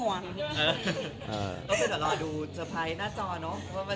ก็ต้องรอดูเซอร์ไพรส์หน้าจอเนอะ